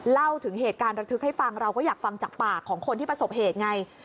เล่าถึงเหตุการณ์ระทึกให้ฟังเราก็อยากฟังจากปากของคนที่ประสบเหตุไง